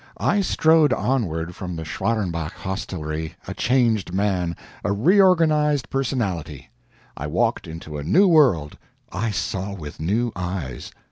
I strode onward from the Schwarenbach hostelry a changed man, a reorganized personality. I walked into a new world, I saw with new eyes.